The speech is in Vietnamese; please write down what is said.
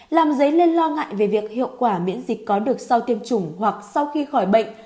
làm dấy lên lo ngại về việc hiệu quả miễn dịch có được sau tiêm chủng hoặc sau khi khỏi bệnh